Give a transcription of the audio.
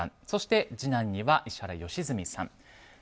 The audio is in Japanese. そして、次男には石原良純さん。